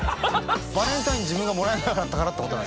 バレンタイン自分がもらえなかったからってことですか？